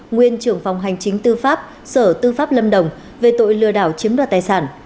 nguyên trưởng phòng hành chính tư pháp sở tư pháp lâm đồng về tội lừa đảo chiếm đoạt tài sản